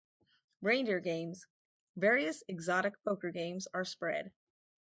'Reindeer games' -- various exotic poker games-are spread.